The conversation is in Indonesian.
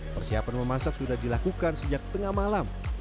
persiapan memasak sudah dilakukan sejak tengah malam